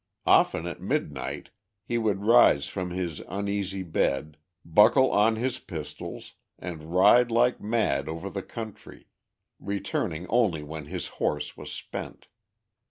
Often at midnight, he would rise from his uneasy bed, buckle on his pistols, and ride like mad over the country, returning only when his horse was spent.